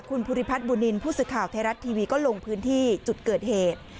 คุณภูริพัฒน์บุญนินทร์ผู้สื่อข่าวไทยรัฐทีวีก็ลงพื้นที่จุดเกิดเหตุ